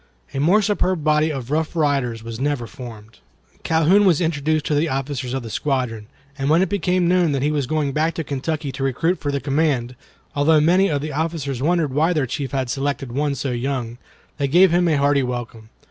A more superb body of rough riders was never formed. Calhoun was introduced to the officers of the squadron, and when it became known that he was going back to Kentucky to recruit for the command—although many of the officers wondered why their chief had selected one so young—they gave him a hearty welcome.